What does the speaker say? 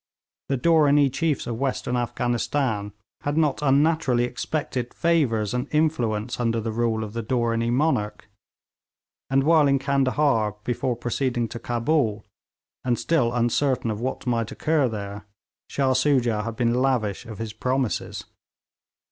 The Dooranee chiefs of Western Afghanistan had not unnaturally expected favours and influence under the rule of the Dooranee monarch; and while in Candahar before proceeding to Cabul, and still uncertain of what might occur there, Shah Soojah had been lavish of his promises.